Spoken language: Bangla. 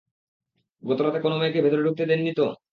গত রাতে কোন মেয়েকে ভেতরে ঢুকতে দেননি তো?